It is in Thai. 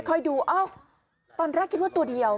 ดูเอ้าตอนแรกคิดว่าตัวเดียว